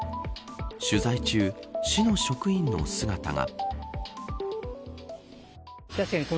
取材中、市の職員の姿が。